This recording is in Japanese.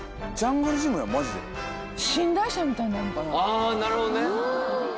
あなるほどね。